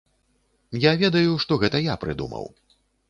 Я ведаю, што гэта я прыдумаў.